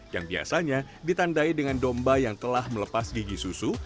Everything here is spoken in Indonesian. yang biasanya ditandai dengan domba yang telah melepas gigi susu